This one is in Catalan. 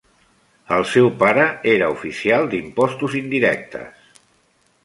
El seu pare era oficial d'impostos indirectes.